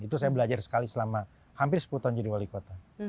itu saya belajar sekali selama hampir sepuluh tahun jadi wali kota